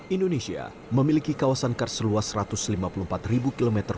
indonesia memiliki kawasan kars seluas satu ratus lima puluh empat km